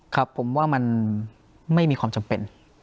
ครับผมว่ามันไม่มีความจำเป็น